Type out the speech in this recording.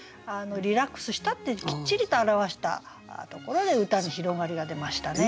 リラックスしたってきっちりと表したところで歌に広がりが出ましたね。